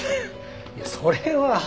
いやそれは。